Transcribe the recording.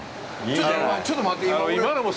今、ちょっと待って、今、俺。